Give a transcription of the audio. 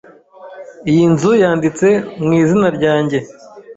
Iyi nzu yanditse mu izina ryanjye.